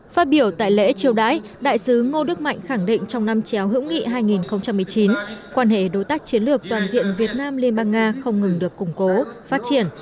phát biểu tại lễ chiêu đãi đại sứ ngô đức mạnh khẳng định trong năm chéo hữu nghị hai nghìn một mươi chín quan hệ đối tác chiến lược toàn diện việt nam liên bang nga không ngừng được củng cố phát triển